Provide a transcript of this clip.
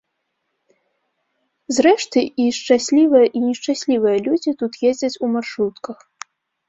Зрэшты, і шчаслівыя, і нешчаслівыя людзі тут ездзяць у маршрутках.